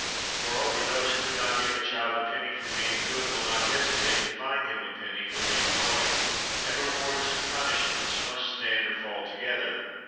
Moreover, those who would not give a child a penny for being good will not hesitate to fine him a penny for being naughty, and rewards and punishments must stand or fall together.